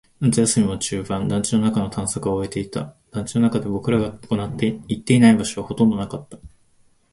夏休みも中盤。団地の中の探索は終えていた。団地の中で僕らが行っていない場所はほとんどなかった。